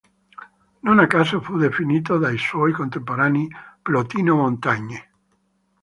Non a caso fu definito dai suoi contemporanei "Plotino-Montaigne".